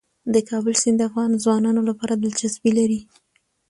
د کابل سیند د افغان ځوانانو لپاره دلچسپي لري.